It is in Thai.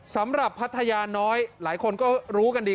สำหรับพัทยาน้อยหลายคนก็รู้กันดี